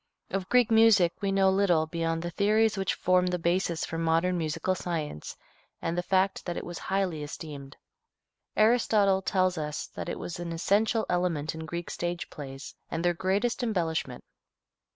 Of Greek music we know little beyond the theories which form the basis for modern musical science and the fact that it was highly esteemed. Aristotle tells us that it was an essential element in Greek stage plays and their greatest embellishment.